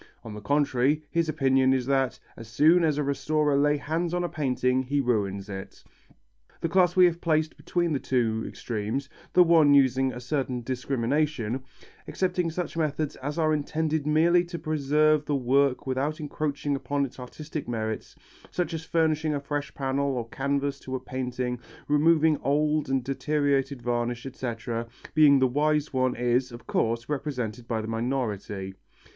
On the contrary, his opinion is that: "As soon as a restorer lays hands on a painting he ruins it." The class we have placed between the two extremes, the one using a certain discrimination, accepting such methods as are intended merely to preserve the work without encroaching upon its artistic merits, such as furnishing a fresh panel or canvas to a painting, removing old and deteriorated varnish, etc., being the wise one is, of course, represented by the minority.